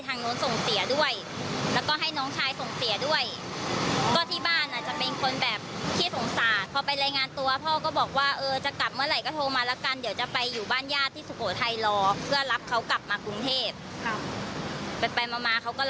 ตอนนี้พี่สาติตั้งหนึ่งนะ